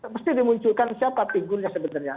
mesti dimunculkan siapa figurnya sebenarnya